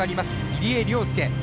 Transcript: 入江陵介。